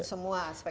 ya semua aspek dari